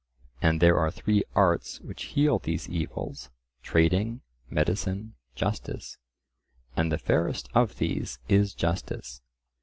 And there are three arts which heal these evils—trading, medicine, justice—and the fairest of these is justice.